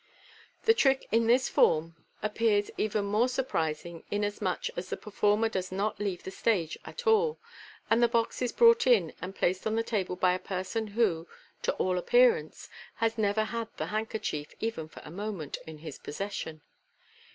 The trick in this form appears even more surprising, inasmuch as the performer does not leave the stage at all, and the box is brought in and placed on the table by a person who, to all appearance, has never had the handkerchief, even for a moment, in his possession.